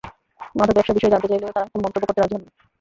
মাদক ব্যবসার বিষয়ে জানতে চাইলে তাঁরা কোনো মন্তব্য করতে রাজি হননি।